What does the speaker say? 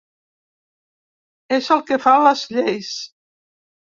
És el que fa les lleis.